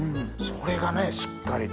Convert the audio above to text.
それがしっかりと。